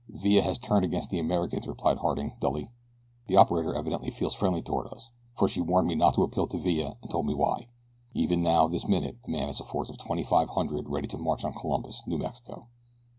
"Villa has turned against the Americans," replied Harding, dully. "The operator evidently feels friendly toward us, for she warned me not to appeal to Villa and told me why. Even now, this minute, the man has a force of twenty five hundred ready to march on Columbus, New Mexico.